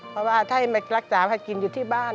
เพราะว่าถ้าให้มารักษาให้กินอยู่ที่บ้าน